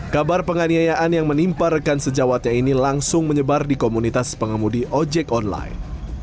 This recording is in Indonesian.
kabar penganiayaan yang menimpa rekan sejawatnya ini langsung menyebar di komunitas pengemudi ojek online